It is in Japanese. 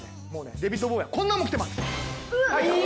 デヴィッド・ボウイはこんなんも着てます。